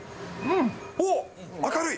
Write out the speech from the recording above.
おっ、明るい。